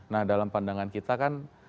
nah dalam pandangan kita kan